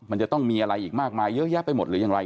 มันจะต้องมีอะไรอีกมากมายเยอะแยะไปหมดหรือยังไร